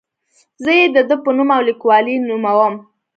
زه یې د ده په نوم او لیکلوالۍ نوموم.